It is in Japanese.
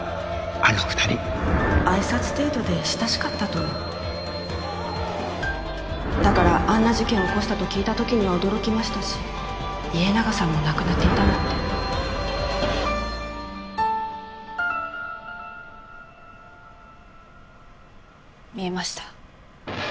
あの２挨拶程度で親しかったとはだからあんな事件を起こしたと聞いた時には驚きましたし家長さんも亡くなっていたなんて見えました。